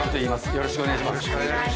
よろしくお願いします。